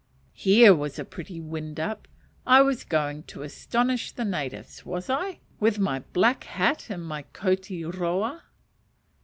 Here was a pretty wind up! I was going to "astonish the natives," was I? with my black hat and my koti roa?